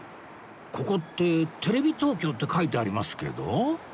ここって「ＴＶＴＯＫＹＯ」って書いてありますけど